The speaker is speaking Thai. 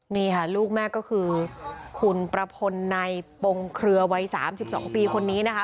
นี่ค่ะลูกแม่ก็คือคุณประพลในปงเครือวัย๓๒ปีคนนี้นะคะ